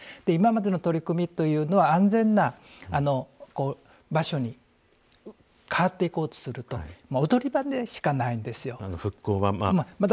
今までの取り組みというのは安全な場所に変わっていこうとすると踊り場でしかないんです。